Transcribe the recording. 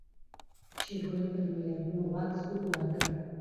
شېرګل پر مېږتون غوږ سوک ورکړ.